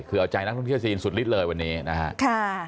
คือเอาใจนักท่องเที่ยวจีนสุดฤทธิ์เลยวันนี้นะครับ